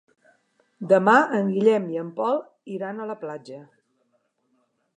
Demà en Guillem i en Pol iran a la platja.